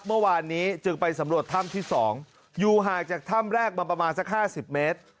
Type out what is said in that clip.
เมื่อวานนี้จึงไปสำรวจถ้ำที่๒อยู่ห่างจากถ้ำแรกมาประมาณสัก๕๐เมตร